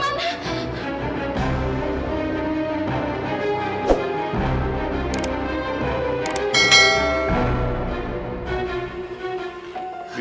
ya allah harusnya kemana